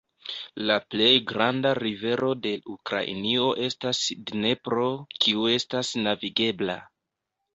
La plej granda rivero de Ukrainio estas Dnepro, kiu estas navigebla.